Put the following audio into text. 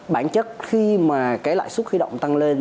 bản chất khi mà cái lãi suất huy động tăng lên